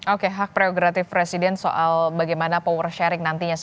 oke hak prerogatif presiden soal bagaimana power sharing nantinya